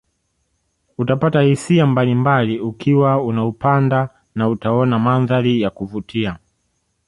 Utapata hisia mbalimbali ukiwa unaupanda na utaona mandhari ya kuvutia